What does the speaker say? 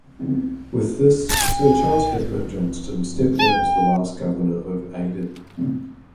With this Sir Charles Hepburn Johnston stepped down as the last Governor of Aden.